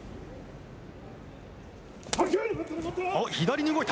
おっ、左に動いた。